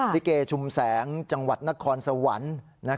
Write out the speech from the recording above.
ลิเกชุมแสงจังหวัดนครสวรรค์